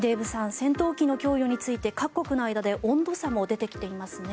戦闘機の供与について各国の間で温度差も出てきていますね。